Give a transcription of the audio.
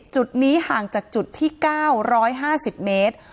จุดนี้ห่างจากจุดที่๙๕๐เมตร